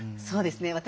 そうですね。